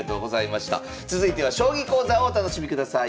続いては将棋講座をお楽しみください。